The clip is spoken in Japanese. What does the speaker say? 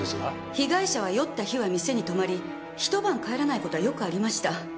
被害者は酔った日は店に泊まり一晩帰らない事はよくありました。